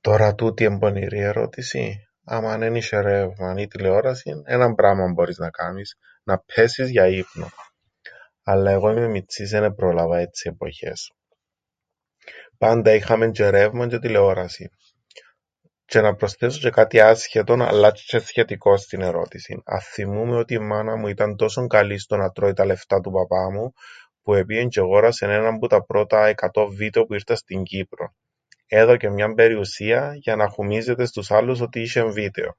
Τωρά τούτη εν' πονηρή ερώτηση; Άμαν εν είσ̆εν ρεύμαν ή τηλεόρασην έναν πράμαν μπορείς να κάμεις. Να ππέσεις για ύπνον. Αλλά εγώ είμαι μιτσής, εν επρόλαβα έτσι εποχές. Πάντα είχαμεν τζ̆αι ρεύμαν τζ̆αι τηλεόρασην. Τζ̆αι να προσθέσω τζ̆αι κάτι άσχετον αλλά τζ̆αι σχετικόν στην ερώτησην... Αθθυμούμαι ότι η μάνα μου ήταν τόσο καλή στο να τρώει τα λεφτά που παπά μου, που επήεν τζ̆αι εγόρασεν έναν που τα πρώτα εκατόν βίτεο που ήρταν στην Κύπρον. Έδωκεν μιαν περιουσίαν για να χουμίζεται στους άλλους ότι είσ̆εν βίτεο!